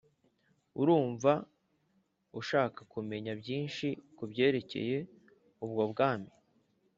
urumva ushaka kumenya byinshi ku byerekeye ubwo Bwami